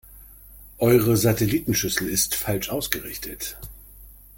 Eure Satellitenschüssel ist falsch ausgerichtet.